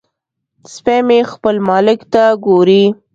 سپی مې خپل مالک ته ګوري.